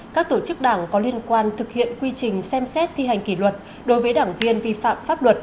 các tổ chức đảng có liên quan thực hiện quy trình xem xét thi hành kỷ luật đối với đảng viên vi phạm pháp luật